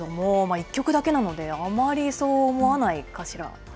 １曲だけなので、あまりそう思わないかしら。